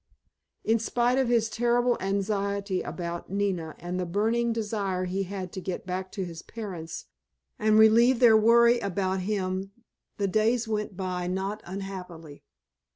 In spite of his terrible anxiety about Nina and the burning desire he had to get back to his parents and relieve their worry about him the days went by not unhappily.